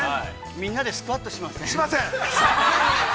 ◆みんなでスクワットしません？